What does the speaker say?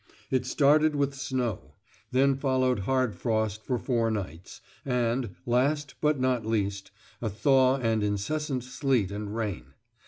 It started with snow; then followed hard frost for four nights; and, last but not least, a thaw and incessant sleet and rain.